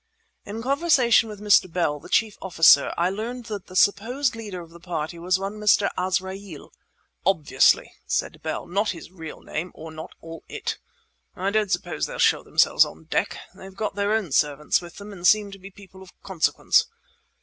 In conversation with Mr. Bell, the chief officer, I learned that the supposed leader of the party was one, Mr. Azraeel. "Obviously," said Bell, "not his real name or not all it. I don't suppose they'll show themselves on deck; they've got their own servants with them, and seem to be people of consequence."